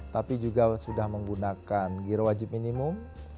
tapi juga sudah menggunakan giro wajib minimum